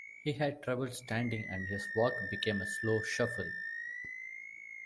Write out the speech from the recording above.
He had trouble standing, and his walk became a slow shuffle.